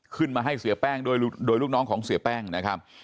ให้เสียแป้งโดยลูกน้องของเสียแป้งนะครับ